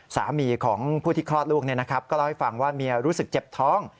สามีของผู้ที่คลอดลูกก็เล่าให้ฟังว่าเมียรู้สึกเจ็บท้อง